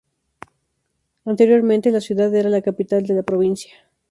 Anteriormente la ciudad era la capital de la provincia.